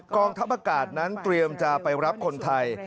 กองทัพอากาศนั้นเตรียมจะไปรับคนไทย